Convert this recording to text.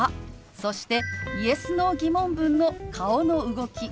そしてＹｅｓ／Ｎｏー疑問文の顔の動き